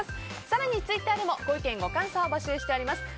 更にツイッターでもご意見、ご感想を募集しています。